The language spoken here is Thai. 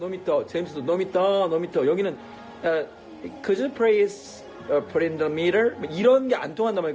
ไม่ไม่ไม่ไม่